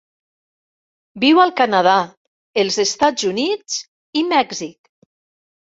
Viu al Canadà, els Estats Units i Mèxic.